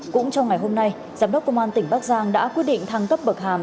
cũng trong ngày hôm nay giám đốc công an tỉnh bắc giang đã quyết định thăng cấp bậc hàm